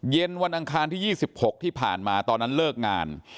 วันอังคารที่๒๖ที่ผ่านมาตอนนั้นเลิกงาน